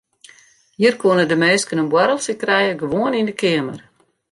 Hjir koenen de minsken in boarreltsje krije gewoan yn de keamer.